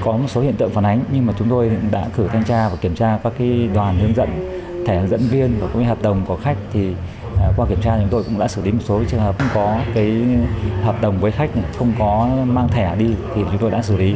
có một số hiện tượng phản ánh nhưng mà chúng tôi cũng đã cử thanh tra và kiểm tra qua cái đoàn hướng dẫn thẻ hướng dẫn viên và cũng như hợp đồng của khách thì qua kiểm tra chúng tôi cũng đã xử lý một số chứ không có cái hợp đồng với khách không có mang thẻ đi thì chúng tôi đã xử lý